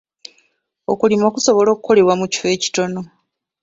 Okulima kusobola okukolebwa mu kifo ekitono.